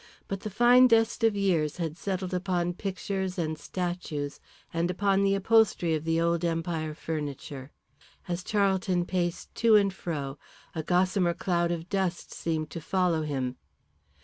But the fine dust of years had settled upon pictures and statues and upon the upholstery of the old Empire furniture. As Charlton paced to and fro a gossamer cloud of dust seemed to follow him.